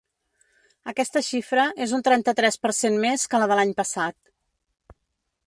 Aquesta xifra és un trenta-tres per cent més que la de l’any passat.